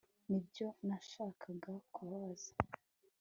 nibyo nashakaga kubaza